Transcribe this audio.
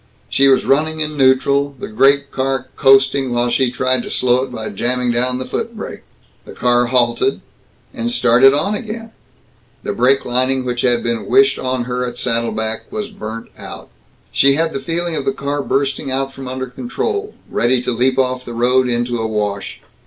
She was running in neutral, the great car coasting, while she tried to slow it by jamming down the foot brake. The car halted and started on again. The brake lining which had been wished on her at Saddle Back was burnt out. She had the feeling of the car bursting out from under control ... ready to leap off the road, into a wash.